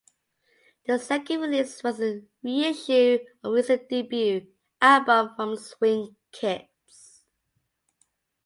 The second release was a reissue of the recent debut album from Swing Kids.